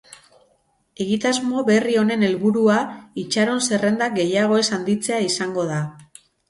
Egitasmo berri honen helburua itxaronzerrendak gehiago ez handitzea izango da.